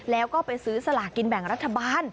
แล้วก็ไปซื้อสลากินแบ่งรัฐบาล